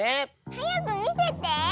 はやくみせて！